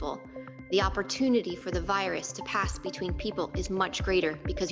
kemungkinan untuk virus berlalu antara orang orang lebih besar